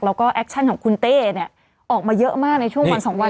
แล้วก็แอคชั่นของคุณเต้เนี่ยออกมาเยอะมากในช่วงวัน๒วัน